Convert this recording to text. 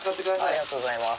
ありがとうございます。